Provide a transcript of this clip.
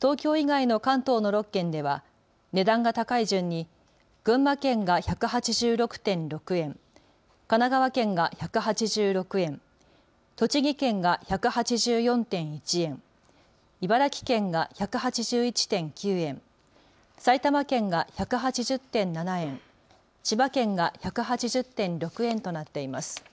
東京以外の関東の６県では値段が高い順に群馬県が１８６．６円、神奈川県が１８６円、栃木県が１８４．１円、茨城県が１８１．９円、埼玉県が１８０．７円、千葉県が１８０．６円となっています。